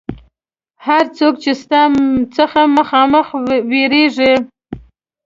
هر څوک چې ستا څخه مخامخ وېرېږي.